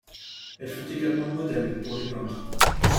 Elle fut également modèle pour les peintres.